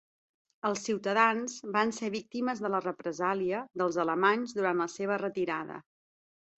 Els ciutadans van ser víctimes de la represàlia dels alemanys durant la seva retirada.